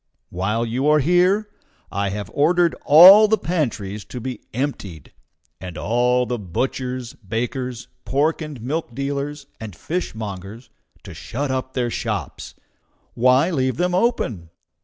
While you are here, I have ordered all the pantries to be emptied, and all the butchers, bakers, pork and milk dealers, and fishmongers to shut up their shops. Why leave them open?